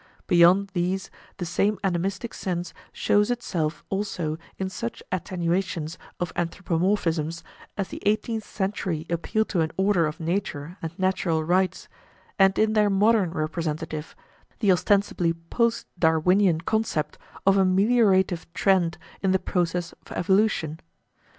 Beyond these the same animistic sense shows itself also in such attenuations of anthropomorphism as the eighteenth century appeal to an order of nature and natural rights, and in their modern representative, the ostensibly post Darwinian concept of a meliorative trend in the process of evolution.